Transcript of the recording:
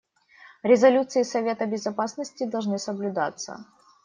Резолюции Совета Безопасности должны соблюдаться.